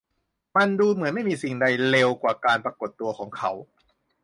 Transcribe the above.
มันดูเหมือนไม่มีสิ่งใดเร็วเท่าการปรากฏตัวของเขา